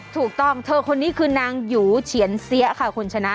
ถูกต้องเธอคนนี้คือนางหยูเฉียนเสียค่ะคุณชนะ